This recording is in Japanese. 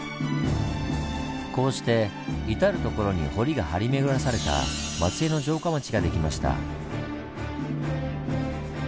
こうして至る所に堀が張り巡らされた松江の城下町ができました。